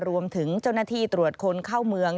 รวมถึงเจ้าหน้าที่ตรวจคนเข้าเมือง